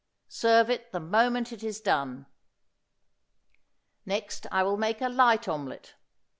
Serve it the moment it is done. Next I will make a light omelette.